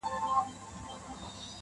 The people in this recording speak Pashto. ډېر نومونه سول په منځ کي لاندي باندي-